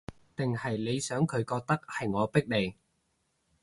定係你想佢覺得，係我逼你